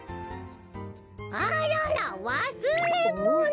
あららわすれもの！